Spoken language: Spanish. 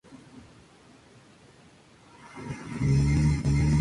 El coche se partió tanto por Kurt Busch y Kyle Busch.